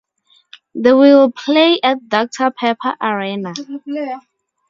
They will play at Doctor Pepper Arena.